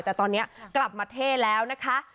แต่ตอนนี้กลับมาเท่แล้วนะคะ